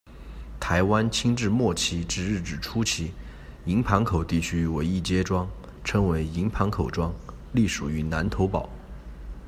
台湾清治末期至日治初期，营盘口地区为一街庄，称为「营盘口庄」，隶属于南投堡。